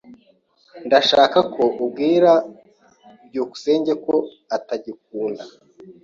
[S] Ndashaka ko ubwira byukusenge ko utagikunda.